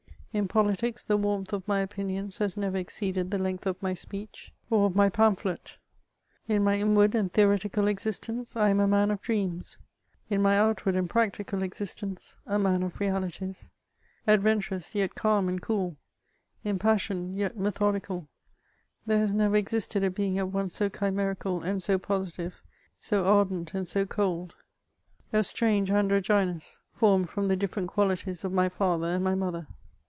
In politics, the warmth of my opinions has never exceeded the length of my speech, or of my pamphlet. In my inward and theoretical existence, I am a man of <&eams ; in my outward and practical existence, a man of realities. Adventurous, yet calm and cool, impassioned yet methodical, there has never existed a heing at once so chimerical and so positive, so ardent and so cold — ^a strange androgynus, formed firom the different qualities of my Either and my mother.